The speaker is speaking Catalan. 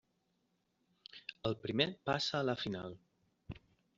El primer passa a la final.